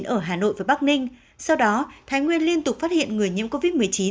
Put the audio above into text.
ở hà nội và bắc ninh sau đó thái nguyên liên tục phát hiện người nhiễm covid một mươi chín